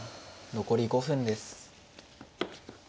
残り５分です。